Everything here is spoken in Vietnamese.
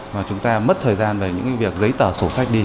mà chúng ta mất thời gian về những việc giấy tờ sổ sách đi